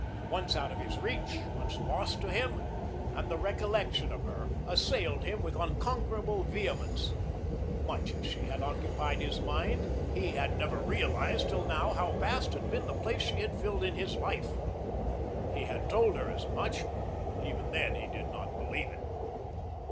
Once out of his reach, once lost to him, and the recollection of her assailed him with unconquerable vehemence. Much as she had occupied his mind, he had never realised till now how vast had been the place she had filled in his life. He had told her as much, but even then he did not believe it.